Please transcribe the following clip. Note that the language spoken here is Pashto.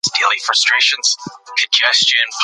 زه د خپلې ژبې د زده کړو لپاره ډیر هوښیار یم.